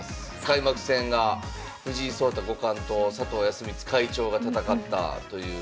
開幕戦が藤井聡太五冠と佐藤康光会長が戦ったという。